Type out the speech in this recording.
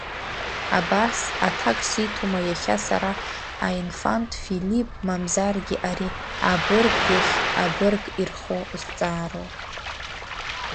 Абас аҭак сиҭома иахьа сара аинфант Филипп мамзаргьы ари абырг иахь абырг ирхо зҵаароу?